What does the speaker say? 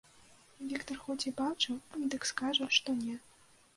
Віктар хоць і бачыў, дык скажа, што не.